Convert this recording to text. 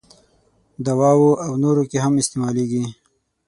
دواوو او نورو کې هم استعمالیږي.